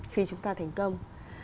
khi chúng ta thành công